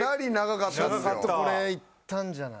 これいったんじゃない？